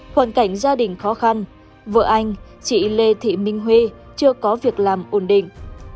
hoàn cảnh gia đình khó khăn vợ anh chị lê thị minh huê chưa có việc làm ổn định